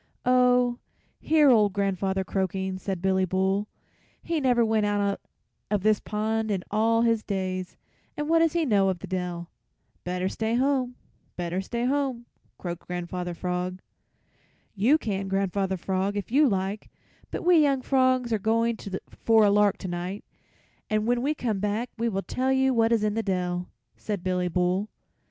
"Oh, hear old grandfather croaking!" said Billy Bull; "he never went out of this pond in all his days, and what does he know of the dell?" "Better stay home, better stay home," croaked Grandfather Frog. "You can, Grandfather Frog, if you like, but we young frogs are going for a lark tonight, and when we come back we will tell you what is in the dell," said Billy Bull.